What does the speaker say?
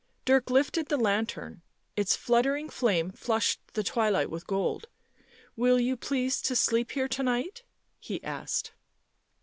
Dirk lifted the lantern ; its fluttering flame flushed the twilight with gold. " Will you please to sleep here to night?" he asked.